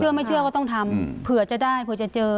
ไม่เชื่อก็ต้องทำเผื่อจะได้เผื่อจะเจอ